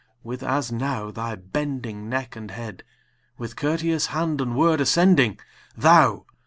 with as now thy bending neck and head, with courteous hand and word, ascending, Thou!